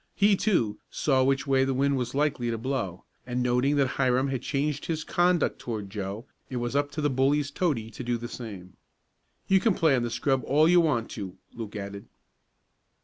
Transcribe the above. He, too, saw which way the wind was likely to blow, and noting that Hiram had changed his conduct toward Joe it was up to the bully's toady to do the same. "You can play on the scrub all you want to," Luke added.